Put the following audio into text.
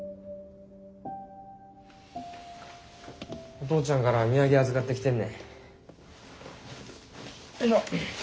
お父ちゃんから土産預かってきてんねん。